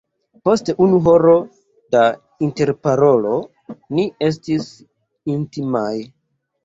Post unu horo da interparolo, ni estis intimaj.